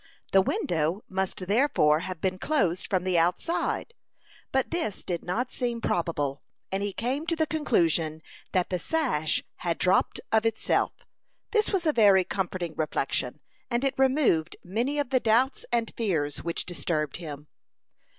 The window must therefore have been closed from the outside; but this did not seem probable, and he came to the conclusion that the sash had dropped of itself. This was a very comforting reflection, and it removed many of the doubts and fears which disturbed him.